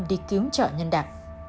đi kiếm chợ nhân đạc